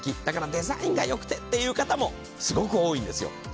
だからデザインが良くてっていう方もすごく多いんですよ。